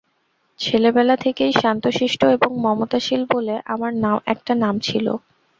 ছেলেবেলা থেকেই শান্তশিষ্ট এবং মমতাশীল বলে আমার একটা নাম ছিল।